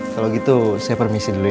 kalau gitu saya permisi dulu